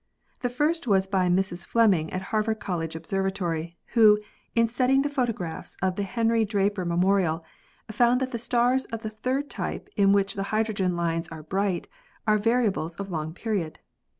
"The first was by Mrs. Fleming at Harvard College Observatory, who, in studying the photo graphs of the Henry Draper memorial, found that the stars of the third type, in which the hydrogen lines are bright, are variables of long period.